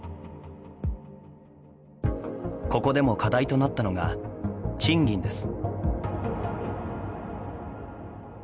ここでも課題となったのが賃金です。